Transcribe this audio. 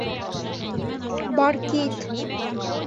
Бар кит!